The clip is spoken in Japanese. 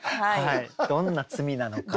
どんな罪なのか